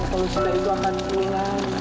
kalau sita itu akan pulang